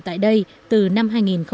tại đây từ năm hai nghìn một mươi bốn